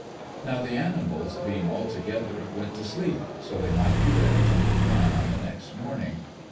Now the animals, being all together, went to sleep, so they might be ready to meet Man on the next morning.